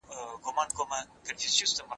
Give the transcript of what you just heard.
که قرباني وکړو نو واجب نه پاتې کیږي.